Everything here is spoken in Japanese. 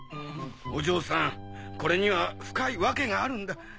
お嬢さんこれには深い訳があるんだ。